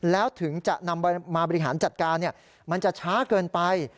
แล้วถึงจะนำมาบริหารจัดการมันจะช้าเกินไป